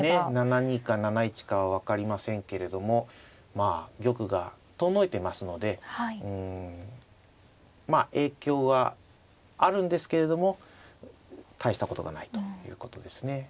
７二か７一かは分かりませんけれどもまあ玉が遠のいてますのでまあ影響はあるんですけれども大したことがないということですね。